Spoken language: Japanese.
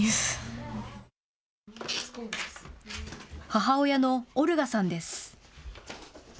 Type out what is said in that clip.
母親のオルガさんです。